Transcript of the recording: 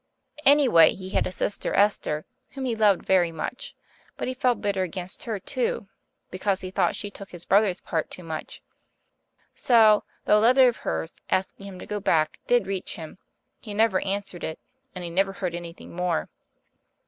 Anyway, he had a sister Esther whom he loved very much; but he felt bitter against her too, because he thought she took his brother's part too much. So, though a letter of hers, asking him to go back, did reach him, he never answered it, and he never heard anything more.